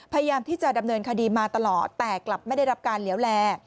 พยายามที่จะดำเนินคดีมาตลอดแต่กลับไม่ได้รับการเหลวแล